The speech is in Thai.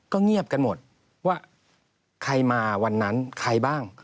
เงียบกันหมดว่าใครมาวันนั้นใครบ้าง